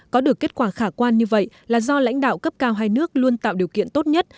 có được kết quả khả quan như vậy là do lãnh đạo cấp cao hai nước luôn tạo điều kiện tốt nhất